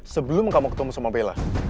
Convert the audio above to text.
sebelum kamu ketemu sama bella